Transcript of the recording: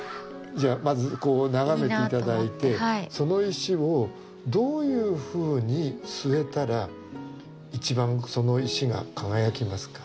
じゃあまずこう眺めて頂いてその石をどういうふうに据えたら一番その石が輝きますか？